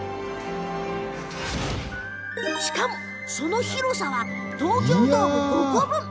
しかも、その広さは東京ドーム５個分。